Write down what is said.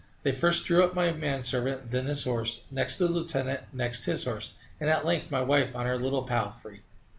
They first drew up the man servant; then his horse; next the lieutenant; next his horse; and at length my wife on her little palfrey.